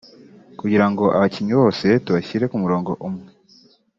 kugira ngo abakinnyi bose tubashyire ku murongo umwe